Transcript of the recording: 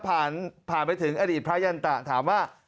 ผ่านผ่านไปถึงอดีตพระยันตะถามว่า